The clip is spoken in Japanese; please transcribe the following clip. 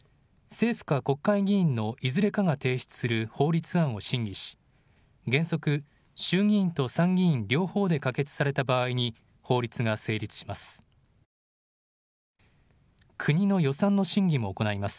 政府か国会議員のいずれかが提出する法律案を審議し、原則、衆議院と参議院両方で可決された場合に法律が成立します。